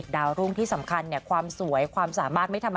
คุณผู้ชมคิดเหมือนดิฉันไหม